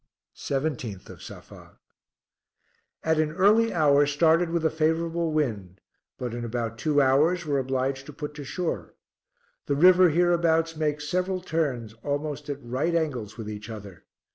17th of Safa. At an early hour started with a favorable wind, but in about two hours were obliged to put to shore. The river hereabouts makes several turns almost at right angles with each other.